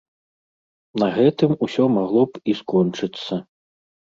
На гэтым усё магло б і скончыцца.